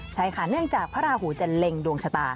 ใช่ค่ะเนื่องจากพระราหูจะเล็งดวงชะตา